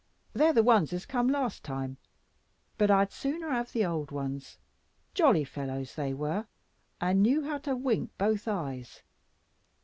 They're the ones as come last time; but I'd sooner have the old ones, jolly fellows they were, and knew how to wink both eyes.